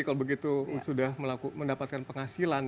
kalau begitu sudah mendapatkan penghasilan